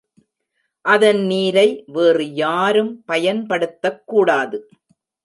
அதன் நீரை வேறு யாரும் பயன் படுத்தக்கூடாது.